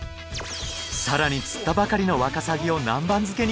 更に釣ったばかりのワカサギを南蛮漬けに。